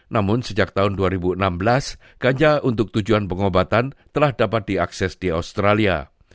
namun sejak tahun dua ribu enam belas ganja untuk tujuan pengobatan telah dapat diakses di australia